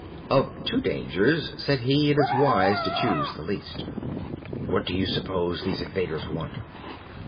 "Of two dangers," said he, "it is wise to choose the least. What do you suppose these invaders want?"